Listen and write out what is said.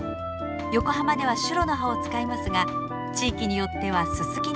横浜ではシュロの葉を使いますが地域によってはススキなども使います。